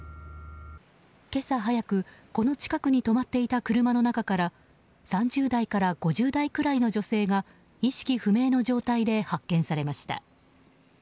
今朝早く、この近くに止まっていた車の中から３０代から５０代くらいの女性が意識不明の状態で発見されました。